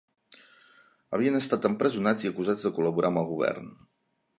Havien estat empresonats i acusats de col·laborar amb el govern.